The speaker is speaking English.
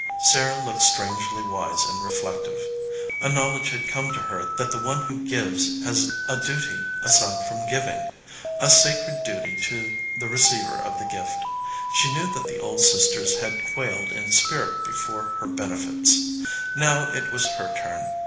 Sarah looked strangely wise and reflective. A knowledge had come to her that the one who gives has a duty aside from giving a sacred duty to the receiver of the gift. She knew that the old sisters had quailed in spirit before her benefits. Now it was her turn.